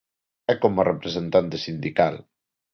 É como a representante sindical.